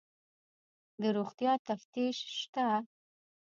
د روغتیا تفتیش شته؟